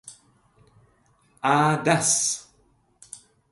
A Das!